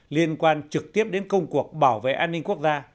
liên quan trực tiếp đến công cuộc bảo vệ an ninh quốc gia